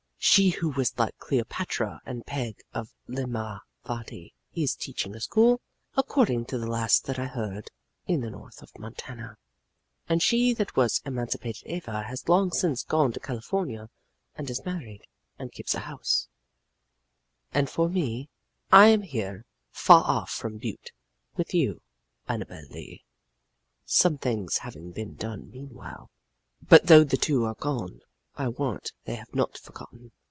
"She who was like Cleopatra and Peg of Limmavaddy is teaching a school, according to the last that I heard, in the north of Montana; and she that was Emancipated Eva has long since gone to California, and is married, and keeps a house; and for me I am here, far off from Butte, with you, Annabel Lee, some things having been done meanwhile. "But though the two are gone, I warrant they have not forgotten.